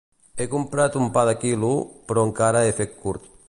He comprat un pa de quilo, però encara he fet curt.